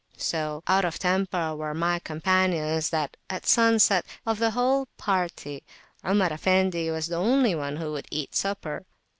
So "out of temper" were my companions, that at sunset, of the whole party, Omar Effendi was the only one who would eat supper.